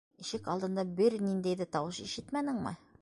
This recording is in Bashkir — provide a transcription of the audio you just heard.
Ишек алдында бер ниндәй ҙә тауыш ишетмәнеңме?